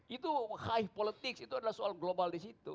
itu high politics itu adalah soal global di situ